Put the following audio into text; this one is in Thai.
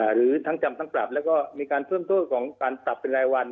หรือทั้งจำทั้งปรับแล้วก็มีการเพิ่มโทษของการปรับเป็นรายวัน